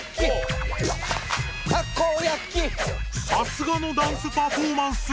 さすがのダンスパフォーマンス！